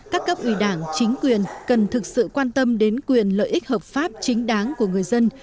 các cấp ủy đảng chính quyền cần thực sự quan tâm đến quyền lợi ích hợp pháp chính đáng của người dân